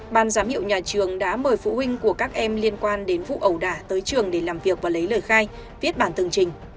ban giám hiệu nhà trường đã mời phụ huynh của các em liên quan đến vụ ẩu đả tới trường để làm việc và lấy lời khai viết bản tường trình